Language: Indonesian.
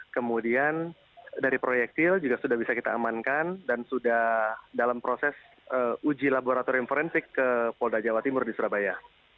kemudian dari proyektil juga sudah bisa kita amankan dan sudah dalam proses uji laboratorium forensik ke polda jawa timur di surabaya